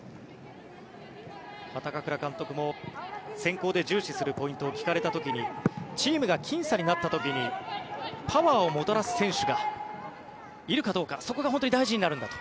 高倉監督も選考で重視するポイントを聞かれた時にチームがきん差になった時にパワーをもたらす選手がいるかどうかそこが本当に大事になるんだと。